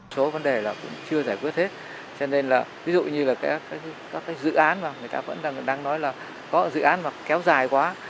số vấn đề là cũng chưa giải quyết hết cho nên là ví dụ như là các cái dự án mà người ta vẫn đang nói là có dự án và kéo dài quá